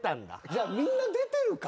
じゃあみんな出てるか？